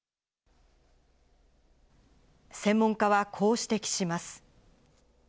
専門家はこう指摘します。